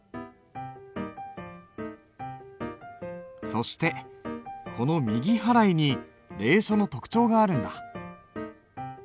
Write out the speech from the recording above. そしてこの右払いに隷書の特徴があるんだ。